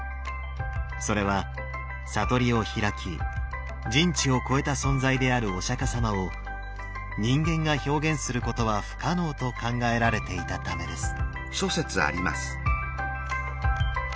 それは悟りを開き人知を超えた存在であるお釈様を人間が表現することは不可能と考えられていたためです。